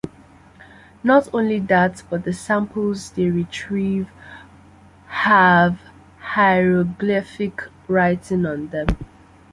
Not only that, but the samples they retrieve have hieroglyphic writing on them.